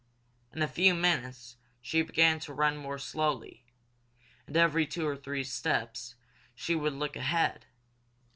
In a few minutes she began to run more slowly, and every two or three steps she would look ahead.